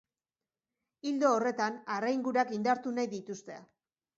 Ildo horretan, harraingurak indartu nahi dituzte.